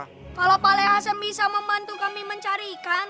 kalau pahle hasan bisa membantu kami mencari ikan